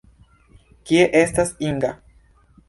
Kie estas Inga?